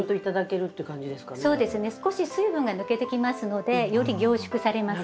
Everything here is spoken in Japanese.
そうですね少し水分が抜けてきますのでより凝縮されます。